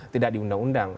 tidak di undang undang